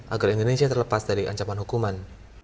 agar indonesia terlepas dari ancaman hukuman